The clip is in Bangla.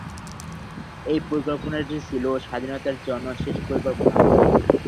এই পরিকল্পনাটি ছিল স্বাধীনতার জন্য শেষ পরিকল্পনা।